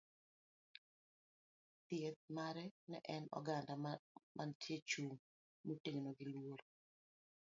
Dhieth mare ne en oganda mantie chung' motegno gi luor.